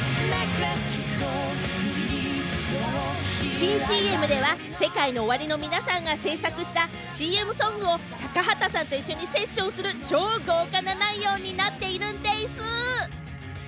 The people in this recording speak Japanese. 新ＣＭではＳＥＫＡＩＮＯＯＷＡＲＩの皆さんが制作したＣＭソングを高畑さんと一緒にセッションする超豪華な内容になっているんでぃす！